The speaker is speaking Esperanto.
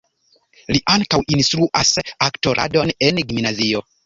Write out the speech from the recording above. Li ankaŭ instruas aktoradon en gimnazio.